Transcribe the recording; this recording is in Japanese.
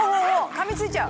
かみついちゃう！